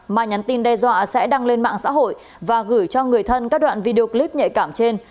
mà nhắn tin đe dọa sẽ đăng lên mạng xã hội và gửi cho người thân các đoạn video clip nhạy cảm trên